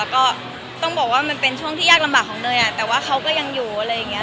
ก็ต้องบอกว่ามันเป็นช่วงที่ยากลำบากของเนยแต่ว่าเขาก็ยังอยู่อะไรอย่างนี้